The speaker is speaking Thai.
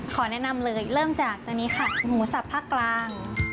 ขอแนะนำเลยเริ่มจากตอนนี้ค่ะหมูสับภาคกลาง